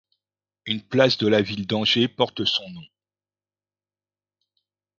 Une place de la ville d'Angers porte son nom.